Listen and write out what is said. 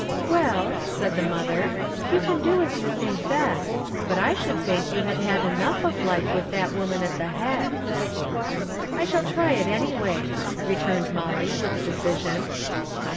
" Well," said the mother, " you can do as you think best, but I should think you had enough of life with that woman at the head." From Different Standpoints. 351 "I shall try it, anyway," returned Molly, with decision.